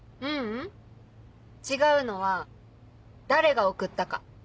違うのは誰が送ったか。